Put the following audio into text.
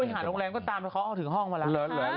ก็ตามเขาไปถึงห้องมาละ